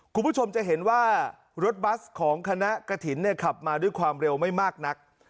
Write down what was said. คุณผู้ชมจะเห็นว่ารถบัสของคณะกระถินขับมาด้วยความเร็วไม่มากนัก